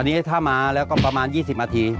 อันนี้ถ้ามาแล้วก็ประมาณ๒๐นาที